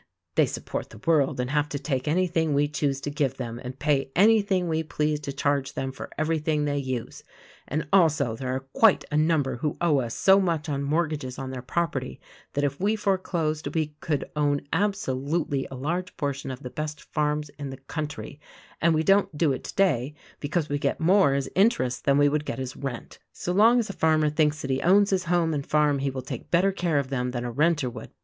They sup port the world and have to take anything we choose to give them and pay anything we please to charge them for every thing they use; and also, there are quite a number who owe us so much on mortgages on their property that if we fore closed we could own absolutely a large portion of the best farms in the country; and we don't do it today, because we get more as interest than we would get as rent. So long as a farmer thinks that he owns his home and farm he will take better care of them than a renter would.